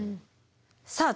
さあ